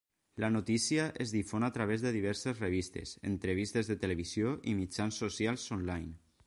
La notícia es difon a través de diverses revistes, entrevistes de televisió i mitjans socials on-line.